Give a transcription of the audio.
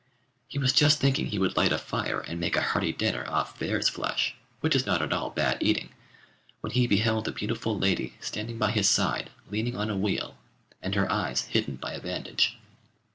He was just thinking he would light a fire and make a hearty dinner off bear's flesh, which is not at all bad eating, when he beheld a beautiful lady standing by his side leaning on a wheel, and her eyes hidden by a bandage.